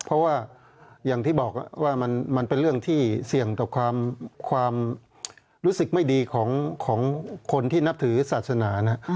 เพราะว่าอย่างที่บอกว่ามันเป็นเรื่องที่เสี่ยงต่อความรู้สึกไม่ดีของคนที่นับถือศาสนานะ